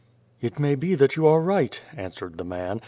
" "It may be that you are right," answered the man.